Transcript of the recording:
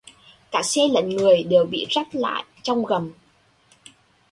cả xe lẫn người đều bị rắt lại trong gầm